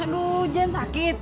aduh jen sakit